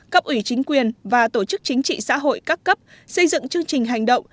cấp ủy chính quyền và tổ chức chính trị xã hội các cấp xây dựng chương trình hành động